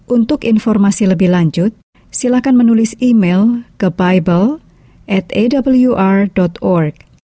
untuk informasi lebih lanjut silahkan menulis email ke bible atawr org